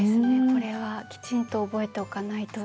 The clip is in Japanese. これはきちんと覚えておかないと。